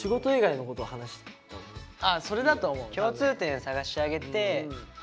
あそれだと思う。